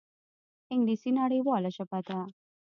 انګلیسي نړیواله ژبه ده